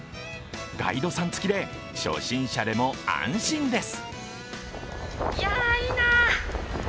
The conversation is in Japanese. ガイドさん付きで初心者でも安心です。